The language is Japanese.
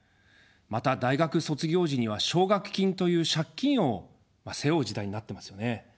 また大学卒業時には奨学金という借金を背負う時代になってますよね。